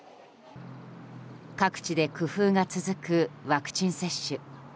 各地で工夫が続くワクチン接種。